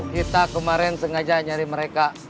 kita kemarin sengaja nyari mereka